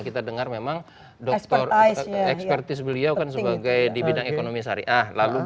kita dengar memang dokter ekspertis beliau kan sebagai di bidang ekonomi sehari hari